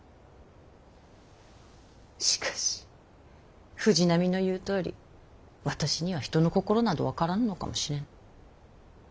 しかし藤波の言うとおり私には人の心など分からぬのかもしれぬ。